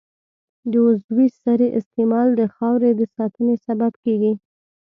د عضوي سرې استعمال د خاورې د ساتنې سبب کېږي.